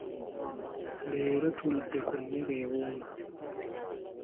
Leero tulidde ku mmere ewooma.